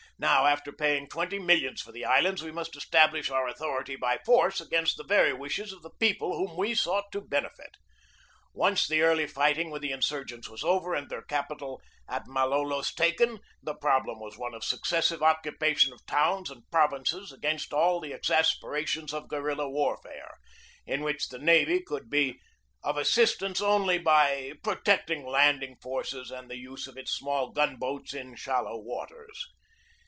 Now, after paying twenty millions for the islands, we must establish our au thority by force against the very wishes of the people whom we sought to benefit. Once the early fighting 286 GEORGE DEWEY with the insurgents was over and their capital at Malolos taken, the problem was one of successive occupation of towns and provinces against all the exasperations of guerilla warfare, in which the navy could be of assistance only by protecting landing forces and the use of its small gun boats in shallow waters.